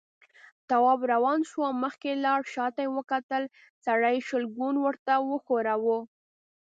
تواب روان شو، مخکې لاړ، شاته يې وکتل، سړي شلګون ورته وښوراوه.